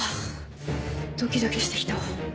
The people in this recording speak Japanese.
ドキドキしてきた。